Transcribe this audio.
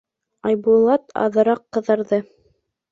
Айбулат аҙыраҡ ҡыҙарҙы: